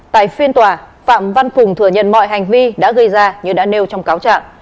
tại phiên tòa phạm văn cùng thừa nhận mọi hành vi đã gây ra như đã nêu trong cáo trạng